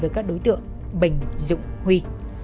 với các đối tượng bình dũng huy